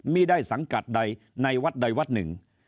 ไม่ได้สังกัดใดในวัดใดวัดหนึ่ง